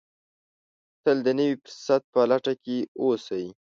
تل د نوي فرصت په لټه کې اوسئ.